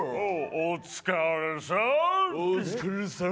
お疲れさん